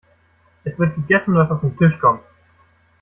Es wird gegessen, was auf den Tisch kommt.